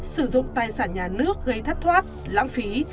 sử dụng tài sản nhà nước gây thất thoát lãng phí